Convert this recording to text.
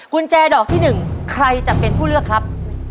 กุญแจดอกที่๑ใครจะเป็นผู้เลือกครับ